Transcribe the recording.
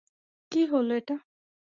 কী হলো এটা?